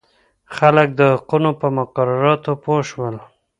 خلک د حقوقو په مقرراتو پوه شول.